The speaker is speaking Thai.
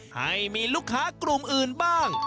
ให้มีลูกค้ากลุ่มอื่นบ้าง